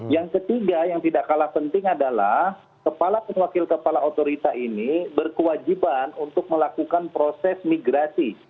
yang ketiga yang tidak kalah penting adalah kepala dan wakil kepala otorita ini berkewajiban untuk melakukan proses migrasi